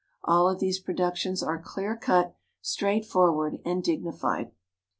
All of these productions are clear cut, straightforward, and dignified.